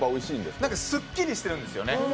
すっきりしてるんですよね。